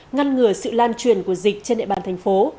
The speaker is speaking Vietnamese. ngăn ngừa sự lan truyền của dịch trên địa bàn thành phố